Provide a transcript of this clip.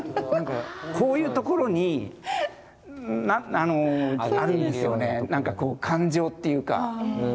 こういうところにあるんですよねなんかこう感情っていうか。